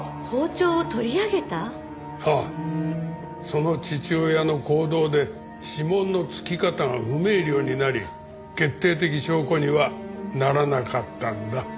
その父親の行動で指紋の付き方が不明瞭になり決定的証拠にはならなかったんだ。